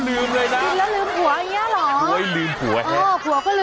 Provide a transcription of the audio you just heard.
มิชุนา